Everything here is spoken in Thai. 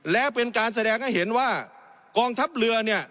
แล้วเป็นการแสดงให้เห็นว่ากองทัพเรือเนี่ย